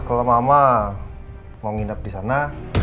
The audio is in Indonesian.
kalau mama mau nginep disana